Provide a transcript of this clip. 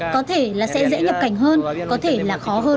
có thể là sẽ dễ nhập cảnh hơn có thể là khó hơn